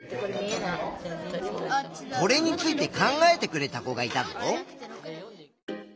これについて考えてくれた子がいたぞ。